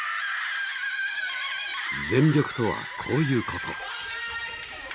全力とは、こういうこと。